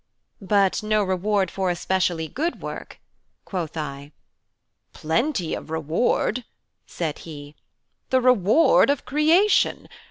"But no reward for especially good work," quoth I. "Plenty of reward," said he "the reward of creation.